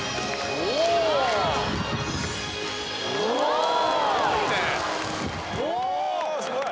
おおすごい！